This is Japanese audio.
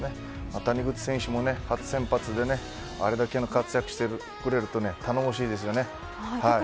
谷口選手も初先発であれだけの活躍をしてくれると頼もしいです。